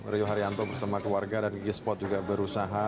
rio haryanto bersama keluarga dan gisport juga berusaha